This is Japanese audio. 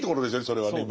それはね。